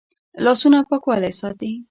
لاسونه پاکوالی ساتي